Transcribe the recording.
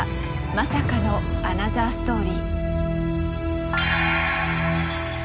まさかのアナザーストーリー。